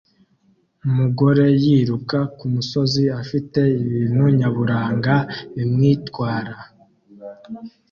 Umugore yiruka kumusozi afite ibintu nyaburanga bimwitwara